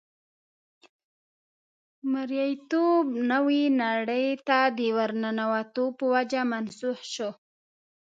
مرییتوب نوې نړۍ ته د ورننوتو په وجه منسوخ شو.